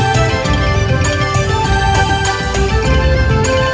โชว์สี่ภาคจากอัลคาซ่าครับ